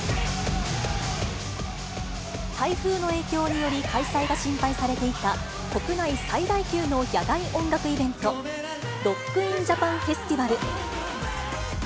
台風の影響により、開催が心配されていた国内最大級の野外音楽イベント、ロック・イン・ジャパン・フェスティバル。